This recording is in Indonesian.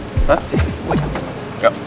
sini gue jalan